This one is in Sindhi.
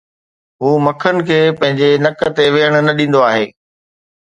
هو مکڻ کي پنهنجي نڪ تي ويهڻ نه ڏيندو آهي